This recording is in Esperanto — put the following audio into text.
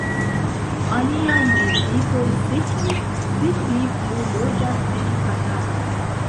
Aliaj vizitoj sekvis, sed li plu loĝas en Kanado.